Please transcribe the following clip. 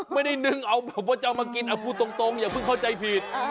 ไม่ได้นึ่งเอาเพราะเจ้ามากินเอาพูดตรงอย่าเพิ่งเข้าใจผิด